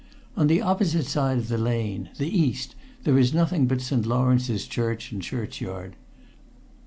On the opposite side of the lane the east there is nothing but St. Lawrence's Church and churchyard.